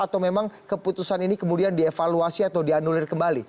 atau memang keputusan ini kemudian dievaluasi atau dianulir kembali